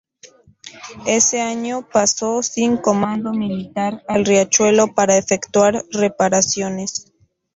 Ese año pasó sin comando militar al Riachuelo para efectuar reparaciones.